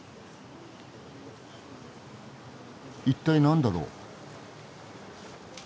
一体何だろう？